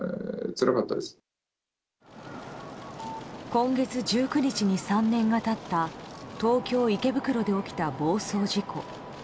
今月１９日に３年が経った東京・池袋で起きた暴走事故。